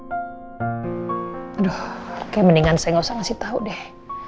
aduh kayak mendingan saya nggak usah ngasih tau deh